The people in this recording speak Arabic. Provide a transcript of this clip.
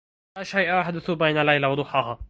لاشيء يحدث بين ليلة وضحاها.